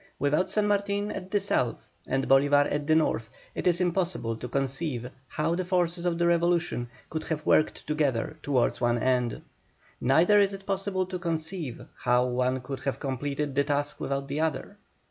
Without San Martin at the South and Bolívar at the North it is impossible to conceive how the forces of the revolution could have worked together towards one end; neither is it possible to conceive how one could have completed his task without the other.